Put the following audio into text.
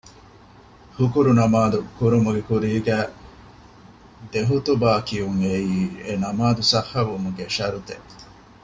ހުކުރު ނަމާދު ކުރުމުގެ ކުރީގައި ދެ ޚުޠުބާ ކިޔުން އެއީ އެ ނަމާދު ޞައްޙަވުމުގެ ޝަރުޠެއް